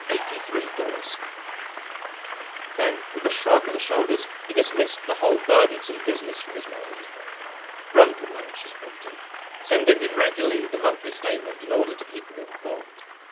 00 Then with a shrug of the shoulders he dismissed the whole burdensome business from his mind. Brunt would manage his property, sending him regularly the monthly statement in order to keep him informed.